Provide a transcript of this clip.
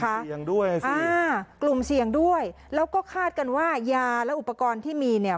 เสี่ยงด้วยค่ะอ่ากลุ่มเสี่ยงด้วยแล้วก็คาดกันว่ายาและอุปกรณ์ที่มีเนี่ย